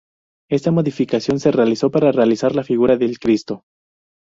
Esta modificación se realizó para realizar la figura del Cristo.